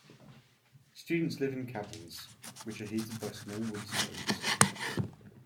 Students live in cabins, which are heated by small woodstoves.